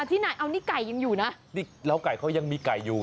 ที่ไหนอันนี้ไก่ยังอยู่นะออแล้วก่ายเขายังมีไก่อยู่